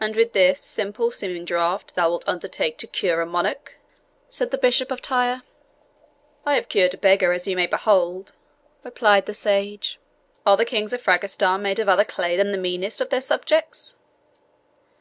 "And with this simple seeming draught thou wilt undertake to cure a monarch?" said the Bishop of Tyre. "I have cured a beggar, as you may behold," replied the sage. "Are the Kings of Frangistan made of other clay than the meanest of their subjects?"